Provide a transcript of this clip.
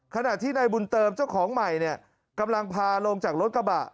ขณะที่ในบุญเติมเจ้าของใหม่เนี่ยกำลังพาลงจากรถกระบะ